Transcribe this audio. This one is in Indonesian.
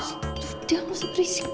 sudahlah lo sederisik